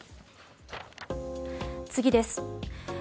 次です。